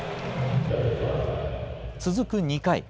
続く２回。